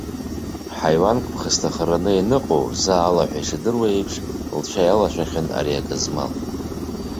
Ҳаиуанк ԥхасҭахараны ианыҟоу, заа алаҳәа ишадыруа еиԥш, лцәа иалашәахьеит ари агызмал.